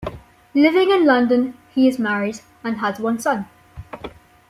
Living in London, he is married and has one son.